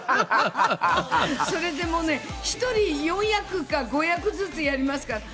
それでもね、１人４役か５役ずつやりますから。